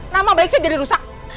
nama baik saya jadi rusak